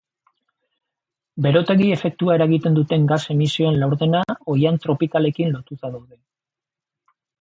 Berotegi efektua eragiten duten gas emisioen laurdena ohian tropikalekin lotuta daude.